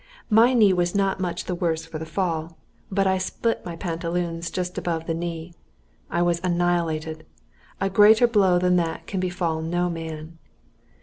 My knee was not much the worse for the fall, but I split my pantaloons just above the knee. I was annihilated. A greater blow than that can befall no man.